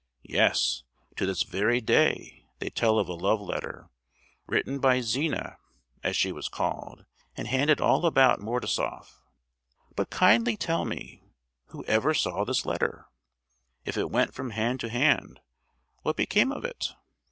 Yes, to this very day they tell of a love letter, written by Zina, as she was called, and handed all about Mordasoff. But kindly tell me, who ever saw this letter? If it went from hand to hand what became of it?